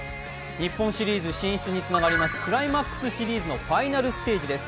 日本シリーズ進出につながりますクライマックスシリーズのファイナルステージです。